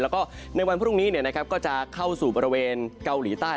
แล้วก็ในวันพรุ่งนี้เนี่ยนะครับก็จะเข้าสู่บรรเวณเกาหลีใต้